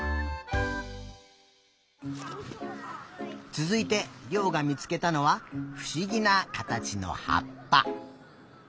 つづいてりょうがみつけたのはふしぎなかたちのはっぱ。